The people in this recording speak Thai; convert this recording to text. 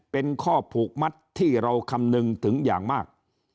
เป็นข้อผูกมัดที่เราคำนึงถึงอย่างมาก